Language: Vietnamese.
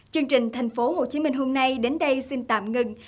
chương trình thành phố hồ chí minh hôm nay đến đây xin tạm ngừng